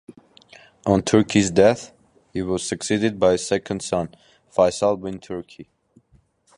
On Turki's death, he was succeeded by his second son, Faisal bin Turki.